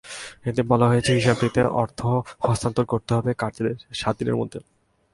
এতে বলা হয়েছে, হিসাবটিতে অর্থ স্থানান্তর করতে হবে কার্যাদেশের সাত দিনের মধ্যে।